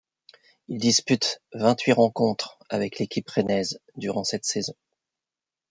Il dispute vingt-huit rencontres avec l'équipe rennaise durant cette saison.